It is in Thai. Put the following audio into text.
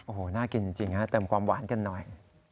โอ้โหน่ากินจริงฮะเติมความหวานกันหน่อย